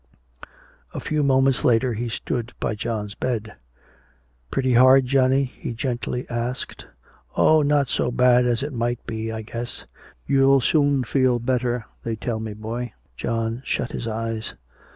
A few moments later he stood by John's bed. "Pretty hard, Johnny?" he gently asked. "Oh, not so bad as it might be, I guess " "You'll soon feel better, they tell me, boy." John shut his eyes.